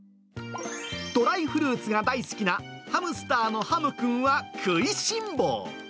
ドライフルーツが大好きな、ハムスターのハムくんは食いしん坊。